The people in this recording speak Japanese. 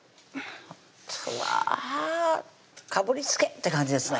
うわかぶりつけって感じですね